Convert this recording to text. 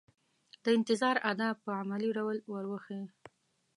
د انتظار آداب په عملي ډول ور وښيي.